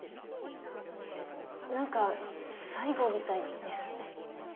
えっなんか最後みたいですね。